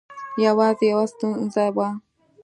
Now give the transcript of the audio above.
یوازې یوه ستونزه وه.